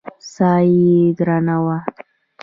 ساه يې درنه وه.